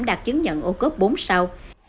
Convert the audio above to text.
đạt chứng nhận ô cốt bốn sao